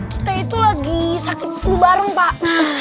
kita itu lagi sakit flu bareng pak